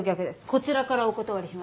こちらからお断りしました。